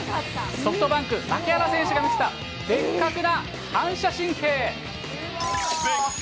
ソフトバンク、牧原選手が見せた、ベッカクな反射神経。